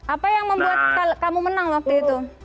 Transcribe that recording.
apa yang membuat kamu menang waktu itu